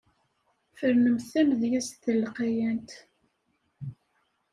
Fernemt tamedyezt talqayant.